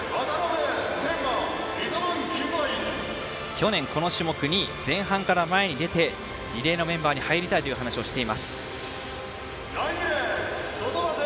去年、この種目２位。前半から前に出てリレーのメンバーに入りたいと話をしています、渡邊。